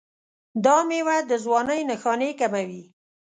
دا میوه د ځوانۍ نښانې کموي.